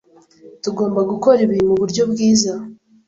Tugomba gukora ibi muburyo bwiza.